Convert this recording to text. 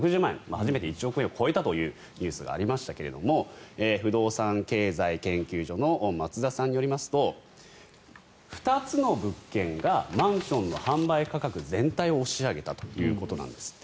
初めて１億円を超えたというニュースがありましたけども不動産経済研究所の松田さんによりますと２つの物件がマンションの販売価格全体を押し上げたということなんですって。